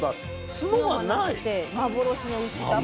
角が無くて幻の牛だと。